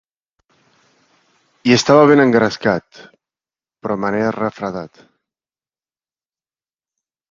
Hi estava ben engrescat, però me n'he refredat.